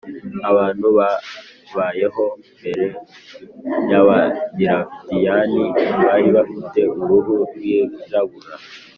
abantu babayeho mbere y’abadiravidiyani [bari bafite uruhu rwirabura].